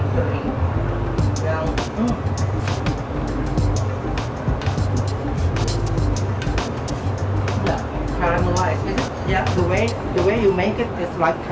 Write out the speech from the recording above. janganlah kalian masih